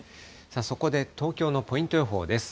そこで東京のポイント予報です。